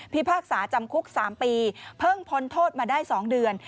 พากษาจำคุก๓ปีเพิ่งพ้นโทษมาได้๒เดือน